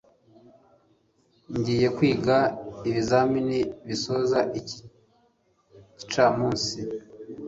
ngiye kwiga ibizamini bisoza iki gicamunsi